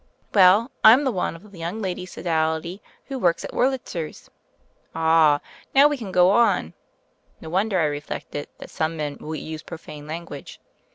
"Well, I'm the one of the Young Ladies' Sodality who works at Wurlitzer's." "Ahl Now we can go on. (No wonder, I reflected, that some men will use profane lan guage.)